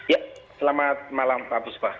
ya selamat malam pak buspa